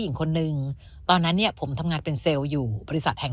หญิงคนนึงตอนนั้นเนี่ยผมทำงานเป็นเซลล์อยู่บริษัทแห่ง